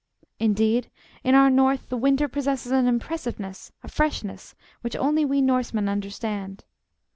Indeed, in our North, the winter possesses an impressiveness, a freshness, which only we Norsemen understand.